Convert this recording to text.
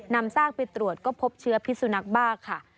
ซากไปตรวจก็พบเชื้อพิสุนักบ้าค่ะ